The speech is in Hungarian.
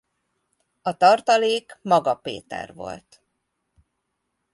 A tartalék Maga Péter volt.